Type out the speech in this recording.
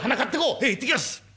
「へえ行ってきます！